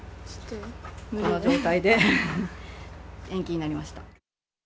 こんな状態で、延期になりました。